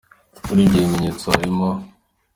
Muri ibyo bimenyetso hari mo :.